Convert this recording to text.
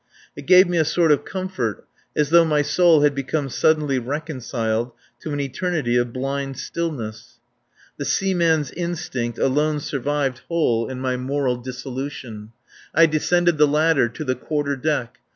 It gave me a sort of comfort, as though my soul had become suddenly reconciled to an eternity of blind stillness. The seaman's instinct alone survived whole in my moral dissolution. I descended the ladder to the quarter deck.